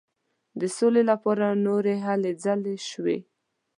د سولي لپاره نورې هلې ځلې شوې.